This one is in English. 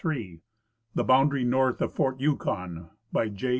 Ill— THE BOUNDARY NORTH OF FORT YUKON BY J.